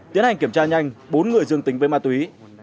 tiến hành kiểm tra nhanh bốn người dương tính với ma túy